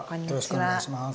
よろしくお願いします。